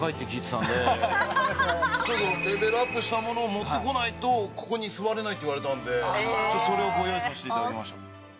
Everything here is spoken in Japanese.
レベルアップしたものを持ってこないとここに座れないと言われたんでそれをご用意させていただきました。